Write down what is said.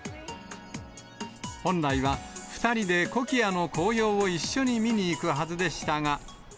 本来は、２人でコキアの紅葉を一緒に見に行くはずでしたが。